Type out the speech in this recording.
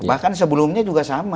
bahkan sebelumnya juga sama